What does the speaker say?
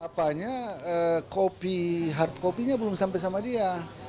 apanya kopi hard kopinya belum sampai sama dia